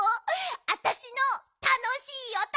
あたしのたのしいおと！